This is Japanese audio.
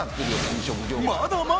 飲食業界。